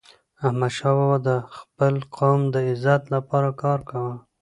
احمدشاه بابا د خپل قوم د عزت لپاره کار کاوه.